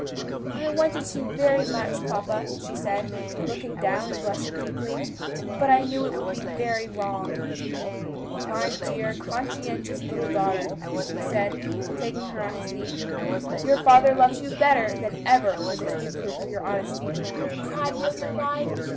"I wanted to very much, papa," she said, looking down and blushing deeply, "but I knew it would be very wrong." "My dear, conscientious little daughter," he said, taking her on his knee, "your father loves you better than ever for this new proof of your honesty and truthfulness. Deprive you of your ride?